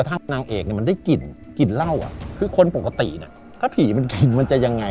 ถ้าผีมันกลิ่นมันจะยังไง